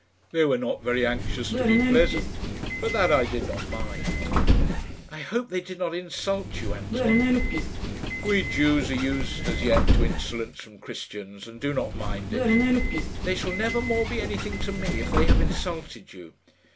They were not very anxious to be pleasant; but that I did not mind." "I hope they did not insult you, Anton?" "We Jews are used as yet to insolence from Christians, and do not mind it." "They shall never more be anything to me, if they have insulted you."